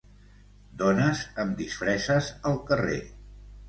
Dones amb disfresses al carrer.